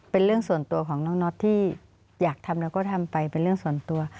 เป็นเรื่องส่วนตัวของน้องน็อตที่อยากทำแล้วก็ทำไปเป็นเรื่องส่วนตัว